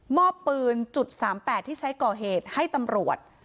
อบปืนจุด๓๘ที่ใช้ก่อเหตุให้ตำรวจ